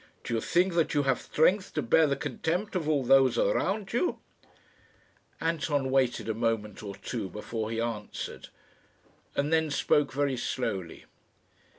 Do you think that you have strength to bear the contempt of all those around you?" Anton waited a moment or two before he answered, and then spoke very slowly.